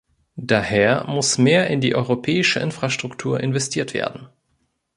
Daher muss mehr in die europäische Infrastruktur investiert werden.